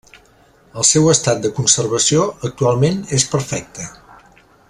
El seu estat de conservació actualment és perfecte.